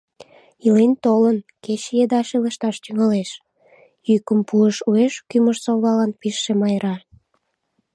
Илен-толын, кече еда шелышташ тӱҥалеш, — йӱкым пуыш уэш кӱмыж-совлалан пижше Майра.